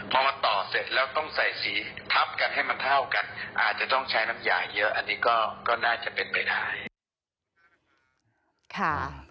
พอมาต่อเสร็จแล้วต้องใส่สีทับกันให้มันเท่ากันอาจจะต้องใช้น้ำยาเยอะอันนี้ก็น่าจะเป็นไปได้